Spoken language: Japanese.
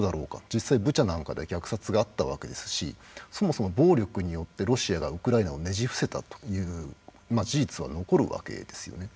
実際ブチャなんかで虐殺があったわけですしそもそも暴力によってロシアがウクライナをねじ伏せたという事実は残るわけですよね。